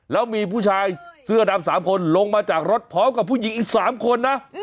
แล้วมีผู้ชายเสื้อดำ๓คนลงมาจากรถพร้อมกับผู้หญิงอีก๓คนนะ